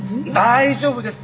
大丈夫です。